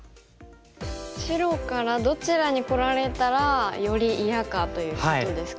白からどちらにこられたらより嫌かということですか。